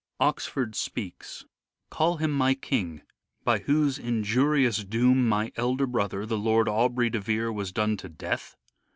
Oxford speaks :—" Call him my King, by whose injurious doom My elder brother, the Lord Aubrey de Vere, Was done to death